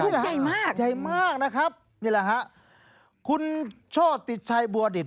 ลูกใหญ่มากนะครับนี่แหละครับคุณโชติชัยบัวดิต